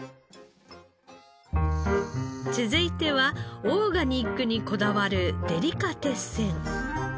続いてはオーガニックにこだわるデリカテッセン。